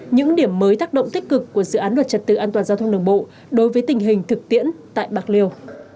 những điểm mới tác động tích cực của dự án luật trật tự an toàn giao thông đường bộ đối với tình hình thực tiễn tại bạc liêu